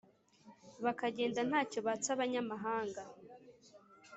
Bakagenda nta cyo batse abanyamahanga